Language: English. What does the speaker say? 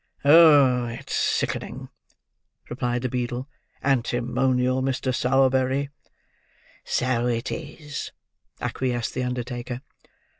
"Oh, it's sickening," replied the beadle. "Antimonial, Mr. Sowerberry!" "So it is," acquiesced the undertaker.